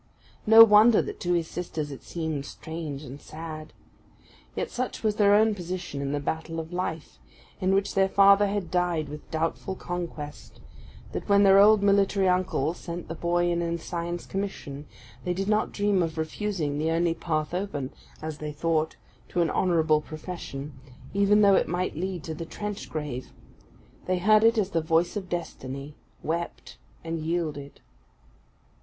No wonder that to his sisters it seemed strange and sad. Yet such was their own position in the battle of life, in which their father had died with doubtful conquest, that when their old military uncle sent the boy an ensign's commission, they did not dream of refusing the only path open, as they thought, to an honourable profession, even though it might lead to the trench grave. They heard it as the voice of destiny, wept, and yielded.